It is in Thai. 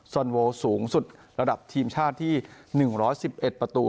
สวันโวสูงสุดระดับทีมชาติที่หนึ่งร้อยสิบเอ็ดประตู